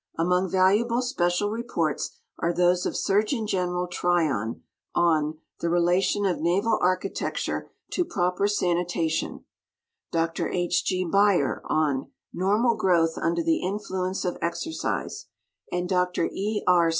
— Among valuable special reports are those of Surg. Gen. Tryon, on "The Relation of Naval Architecture to projjer Sanitation; Dr H. G. Beyer, on "Normal Growth under the Influence of Exercise," and Dr E. K.